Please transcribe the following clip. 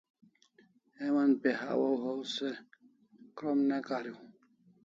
Heman pe hawaw haw se krom ne kariu